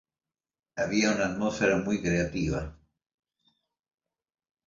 Había una atmósfera muy creativa.